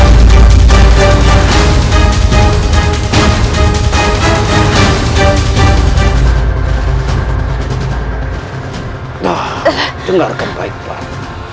nah dengarkan baik baik